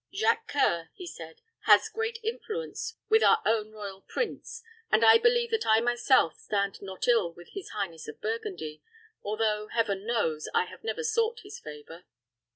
"Jacques C[oe]ur," he said, "has great influence with our own royal prince, and I believe that I myself stand not ill with his highness of Burgundy, although, Heaven knows, I have never sought his favor.